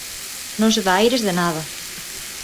Non se dá aires de nada.